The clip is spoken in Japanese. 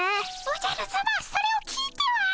おじゃるさまそれを聞いては。